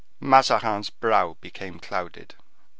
Mazarin's brow became clouded.